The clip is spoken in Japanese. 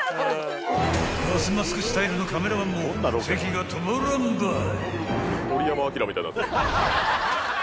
［ガスマスクスタイルのカメラマンもせきが止まらんばい］